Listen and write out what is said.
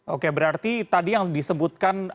oke berarti tadi yang disebutkan